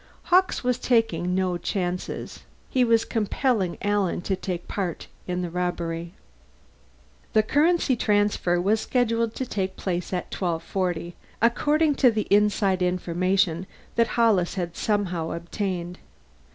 Hawkes was taking no chances. He was compelling Alan to take part in the robbery. The currency transfer was scheduled to take place at 1240, according to the inside information that Hollis had somehow obtained.